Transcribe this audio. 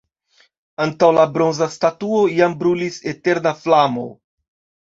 Antaŭ la bronza statuo iam brulis eterna flamo.